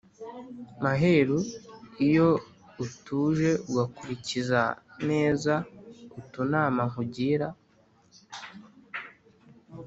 Maheru iyo utuje Ugakulikiza neza Utunama nkugira!